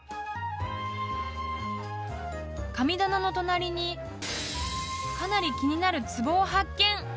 ［神棚の隣にかなり気になるつぼを発見］